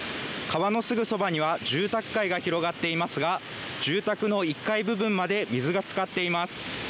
川のすぐそばには、住宅街が広がっていますが、住宅の１階部分まで水がつかっています。